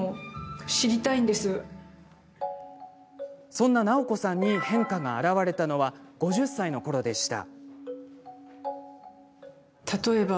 そんな直子さんに変化が現れたのは、５０歳のころでした。